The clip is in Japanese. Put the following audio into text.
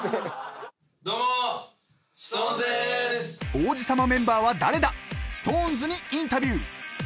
［王子様メンバーは誰だ⁉ＳｉｘＴＯＮＥＳにインタビュー］